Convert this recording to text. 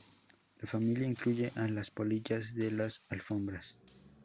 La familia incluye a las polillas de las alfombras.